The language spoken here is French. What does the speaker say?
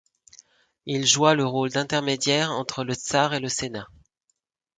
Il joua le rôle d'intermédiaire entre le tsar et le Sénat.